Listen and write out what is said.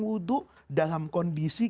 hudu dalam kondisi